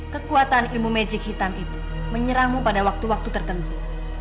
kekuatan ilmu magic hitam itu menyerangmu pada waktu waktu tertentu